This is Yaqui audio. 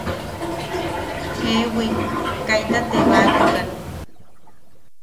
–Jeewi, kaita tebaatukan.